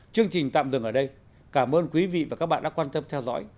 chương trình tạm dừng ở đây cảm ơn quý vị và các bạn đã quan tâm theo dõi